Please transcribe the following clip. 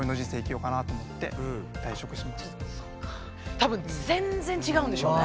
多分全然違うんでしょうね。